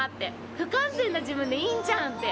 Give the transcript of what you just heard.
不完全な自分でいいんじゃんって。